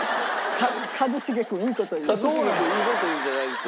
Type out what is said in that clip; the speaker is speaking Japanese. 「一茂君いい事を言う」じゃないですよ。